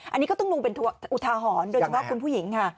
อันนี้ก็ต้องดูเป็นอุทาหรณ์โดยเฉพาะคุณผู้หญิงค่ะ